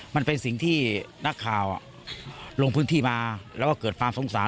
มันเป็นสิ่งที่นักข่าวลงพื้นที่มาแล้วก็เกิดความสงสาร